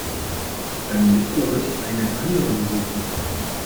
Dann müsst ihr euch einen anderen suchen.